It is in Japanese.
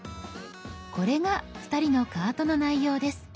これが２人のカートの内容です。